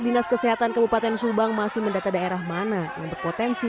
dinas kesehatan kabupaten subang masih mendata daerah mana yang berpotensi